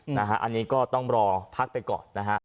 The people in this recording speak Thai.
อันนี้ก็ต้องรอพักไปก่อนนะฮะ